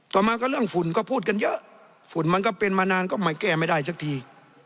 ต่อมาก็เรื่องฝุ่นก็พูดกันเยอะฝุ่นมันก็เป็นมานานก็ไม่แก้ไม่ได้สักที